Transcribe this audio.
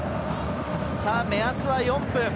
目安は４分。